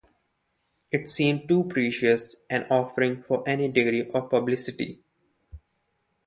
It seemed too precious an offering for any degree of publicity.